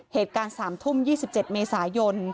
เหตุการณ์๓ทุ่ม๒๗เมษายน